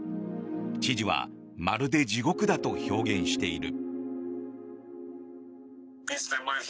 知事はまるで地獄だと表現している。